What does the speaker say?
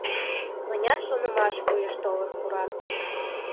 Мыняр шонымаш вуйыш толын пура.